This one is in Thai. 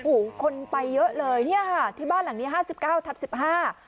โอ้โหคนไปเยอะเลยเนี้ยค่ะที่บ้านหลังนี้ห้าสิบเก้าทับสิบห้า